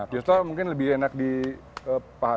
pistol mungkin lebih enak di paha